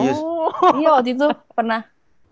iya waktu itu pernah